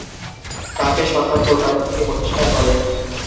তাকে সরকার কলকাতা থেকে বহিষ্কার করে।